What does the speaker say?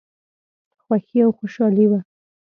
خوښي او خوشالي وه.